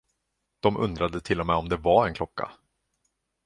De undrade till och med om det var en klocka.